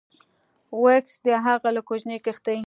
و کس د هغه له کوچنۍ کښتۍ